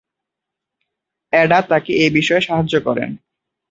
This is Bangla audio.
অ্যাডা তাকে এ বিষয়ে সাহায্য করেন।